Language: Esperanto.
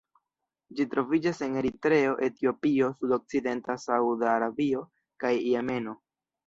Ĝi troviĝas en Eritreo, Etiopio, sudokcidenta Sauda Arabio kaj Jemeno.